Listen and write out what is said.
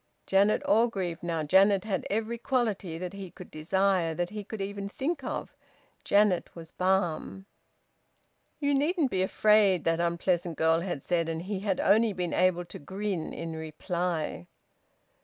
"Janet Orgreave, now!" Janet had every quality that he could desire, that he could even think of. Janet was balm. "You needn't be afraid," that unpleasant girl had said. And he had only been able to grin in reply!